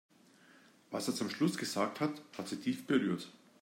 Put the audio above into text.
Was er zum Schluss gesagt hat, hat sie tief berührt.